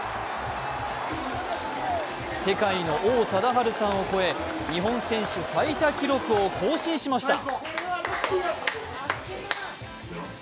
世界の王貞治さんを超え日本選手最多記録を更新しました。